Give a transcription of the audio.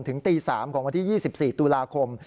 ถึงตี๓ของวันที่๒๔ตุลาคม